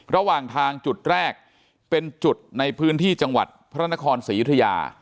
ระหว่างทางจุดแรกเป็นจุดในพื้นที่จังหวัดพระนครศรียุธยา